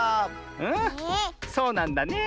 うんそうなんだねえ。